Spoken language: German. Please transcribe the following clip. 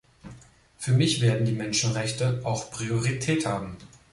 Für mich werden die Menschenrechte auch Priorität haben.